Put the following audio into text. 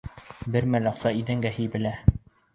Бер мәл аҡса иҙәнгә һибелә.